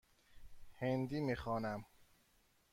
هندی می خوانم.